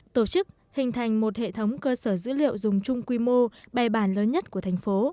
tổ chức hình thành một hệ thống cơ sở dữ liệu dùng chung quy mô bài bản lớn nhất của thành phố